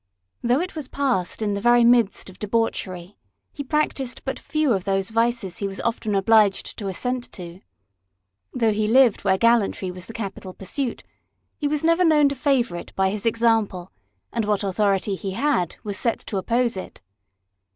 Though it was passed in the very midst of debauchery, he practised but few of those vices he was often obliged to assent to. Though he lived where gallantry was the capital pursuit, he was never known to favour it by his example, and what authority he had was set to oppose it.